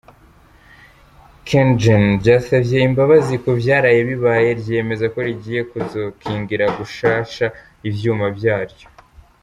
KenGen ryasavye imbabazi ku vyaraye bibaye, ryiyemeza ko rigiye kuzokingira gushasha ivyuma vyaryo.